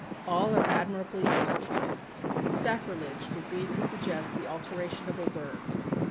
All are admirably executed. Sacrilege would it be to suggest the alteration of a word.